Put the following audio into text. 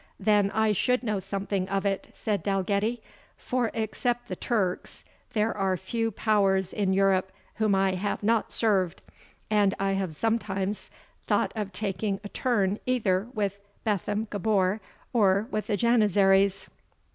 "Then I should know something of it," said Dalgetty; "for, except the Turks, there are few powers in Europe whom I have not served; and I have sometimes thought of taking a turn either with Bethlem Gabor, or with the Janizaries."